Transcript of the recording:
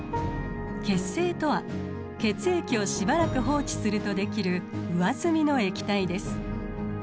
血清とは血液をしばらく放置するとできる上澄みの液体です。